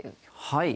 はい。